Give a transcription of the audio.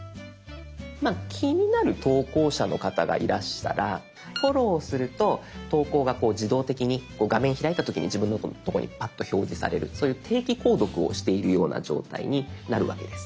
気になる投稿者の方がいらしたらフォローすると投稿が自動的に画面開いた時に自分のとこにパッと表示されるそういう定期購読をしているような状態になるわけです。